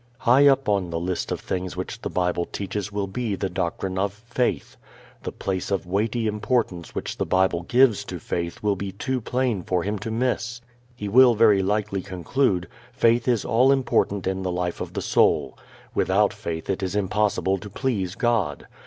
High up on the list of things which the Bible teaches will be the doctrine of faith. The place of weighty importance which the Bible gives to faith will be too plain for him to miss. He will very likely conclude: Faith is all important in the life of the soul. Without faith it is impossible to please God.